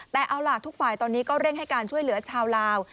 แต่เอาล่ะทุกฝ่ายตอนนี้ก็เร่งให้การช่วยเหลือชาวลาว